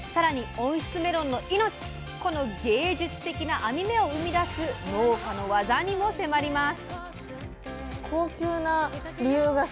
温室メロンの命この芸術的な網目を生み出す農家のワザにも迫ります。